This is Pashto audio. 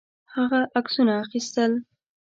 هغه عکسونه اخیستل.